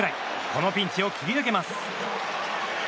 このピンチを切り抜けます。